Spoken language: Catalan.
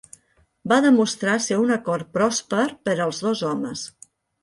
Va demostrar ser un acord pròsper per als dos homes.